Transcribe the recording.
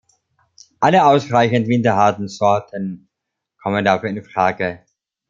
Alle ausreichend winterharten Sorten kommen dafür in Frage.